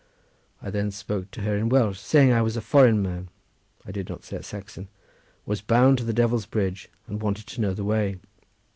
I then spoke to her in Welsh, saying I was a foreign man—I did not say a Saxon—was bound to the Devil's Bridge, and wanted to know the way.